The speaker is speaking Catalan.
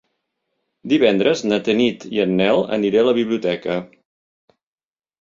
Divendres na Tanit i en Nel aniré a la biblioteca.